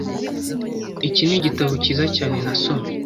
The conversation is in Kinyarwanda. Iki nigitabo cyiza cyane. nasomye .